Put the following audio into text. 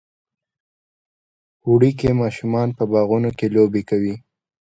وری کې ماشومان په باغونو کې لوبې کوي.